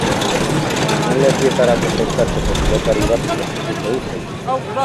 Finalerdietarako sailkatzeko pilotari batzuk ezin dute huts egin.